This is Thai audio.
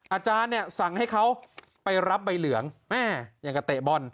อาจารย์เนี่ยสั่งให้เขาไปรับใบเหลืองแม่อย่างกับเตะบอล